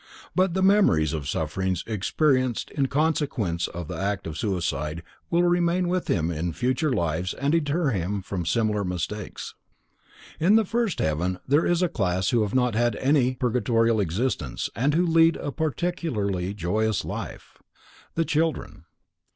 But the memory of sufferings experienced in consequence of the act of suicide will remain with him in future lives and deter him from a similar mistake. In the first heaven there is a class who have not had any purgatorial existence and who lead a particularly joyous life: the children.